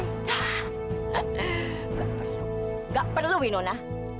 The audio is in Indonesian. tidak perlu nggak perlu winona